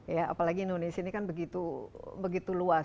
ya apalagi indonesia ini kan begitu luas